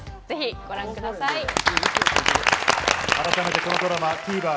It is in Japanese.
ぜひご覧ください。